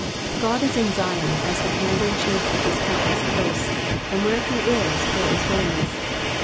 God is in Zion as the Commander in chief of his countless hosts, and where he is, there is holiness.